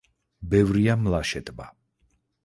ბევრია მლაშე ტბა.